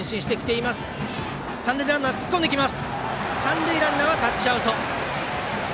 三塁ランナーはタッチアウト。